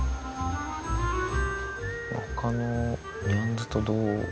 他のニャンズとどう。